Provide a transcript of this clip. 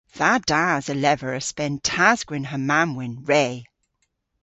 Dha das a lever y spen tas-gwynn ha mamm-wynn re.